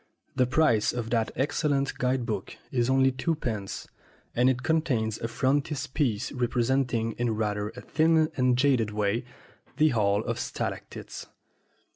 The price of that excellent guide book is only two pence, and it contains a frontispiece representing, in rather a thin and jaded way, the Hall of Stalactites.